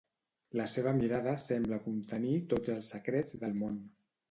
La seva mirada sembla contenir tots els secrets del món.